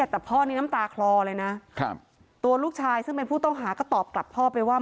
แต่พ่อนี้น้ำตาคลอเลยนะตัวลูกชายซึ่งเป็นผู้ต้องหาก็ตอบกลับพ่อไปว่า